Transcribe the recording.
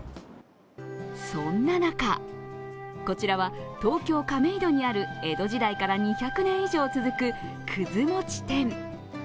そんな中、こちらは東京・亀戸にある江戸時代から２００年以上続くくず餅店。